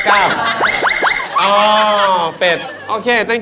คุณชื่ออะไร